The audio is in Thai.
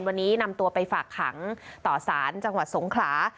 วันนี้นำตัวไปฝากขังต่อสารจังหวัดสงขลา